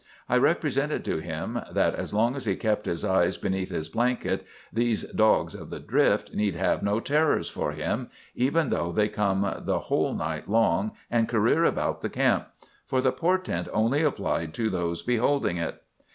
I represented to him that, as long as he kept his eyes beneath his blanket, these dogs of the drift need have no terrors for him, even should they come the whole night long and career about the camp; for the portent only applied to those beholding it.